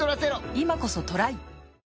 今こそトライ！